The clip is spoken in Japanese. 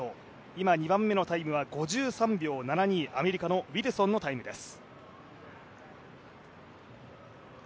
今、２番目のタイムは５３秒７２、アメリカのウィルソンのタイムです。